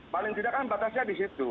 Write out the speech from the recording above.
paling tidak kan batasnya di situ